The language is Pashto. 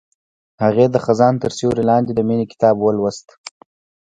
هغې د خزان تر سیوري لاندې د مینې کتاب ولوست.